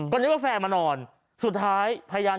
ก็นึกว่าแฟนมานอนสุดท้ายพยาน